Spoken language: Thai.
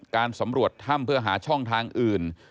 การสำรวจถ้ำเพื่อหาช่องทางอื่น